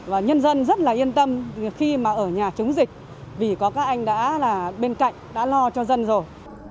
và nhân dân rất là yên tâm khi mà ở nhà chống dịch vì có các anh đã là bên cạnh đã lo cho dân rồi